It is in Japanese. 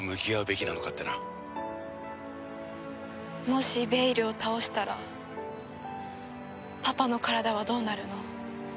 もしベイルを倒したらパパの体はどうなるの？